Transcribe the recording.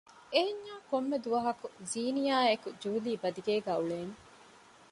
އެހެންޏާ ކޮންމެދުވަހަކު ޒީނިޔާ އެކީ ޖޫލީ ބަދިގޭގައި އުޅޭނެ